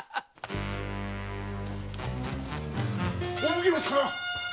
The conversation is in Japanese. お奉行様！